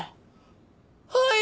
はい！